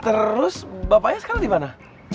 terus bapaknya sekarang di mana